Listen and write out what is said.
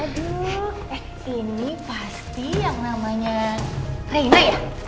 aduh eh ini pasti yang namanya reina ya